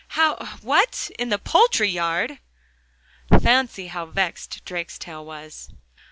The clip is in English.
'How? what? in the poultry yard?' Fancy how vexed Drakestail was!